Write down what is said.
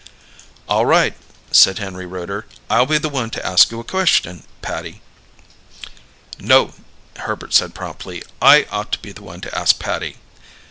"All right," said Henry Rooter. "I'll be the one to ask you a question, Patty." "No," Herbert said promptly. "I ought to be the one to ask Patty."